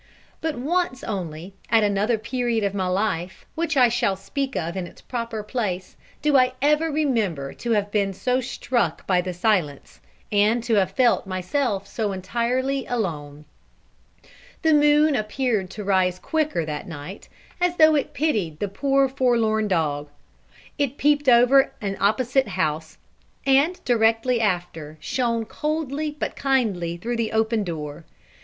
But once only, at another period of my life, which I shall speak of in its proper place, do I ever remember to have been so struck by the silence, and to have felt myself so entirely alone. The moon appeared to rise quicker that night, as though it pitied the poor forlorn dog. It peeped over an opposite house, and directly after, shone coldly but kindly through the open door.